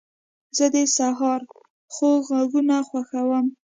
زه د سهار خوږ غږونه خوښوم.